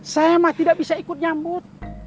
saya mah tidak bisa ikut nyambut